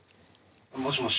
もしもし。